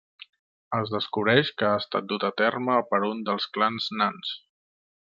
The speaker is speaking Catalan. Es descobreix que ha estat dut a terme per un dels clans nans.